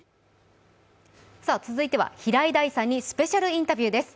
続いては平井大さんにスペシャルインタビューです。